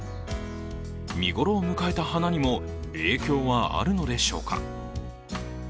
見頃を迎えた花にも影響はあるのでしょうか。